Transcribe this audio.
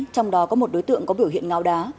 trong đó có một đối tượng có biểu hiện ngáo đá